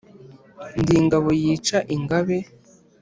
Ndi ingabo yica ingabe.